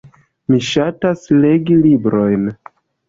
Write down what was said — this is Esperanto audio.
Mi ŝatas legi librojn.